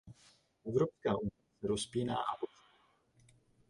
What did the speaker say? Evropská unie se rozpíná a posiluje.